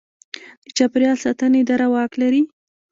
د چاپیریال ساتنې اداره واک لري؟